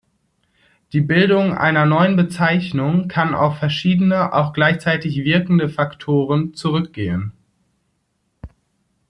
Die Bildung einer neuen Bezeichnung kann auf verschiedene, auch gleichzeitig wirkende Faktoren zurückgehen.